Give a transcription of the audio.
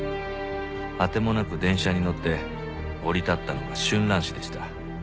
あてもなく電車に乗って降り立ったのが春蘭市でした。